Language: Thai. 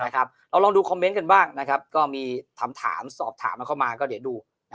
แล้วลองดูคอมเมนต์กันบ้างก็มีสอบถามมาเข้ามาเดี๋ยวดู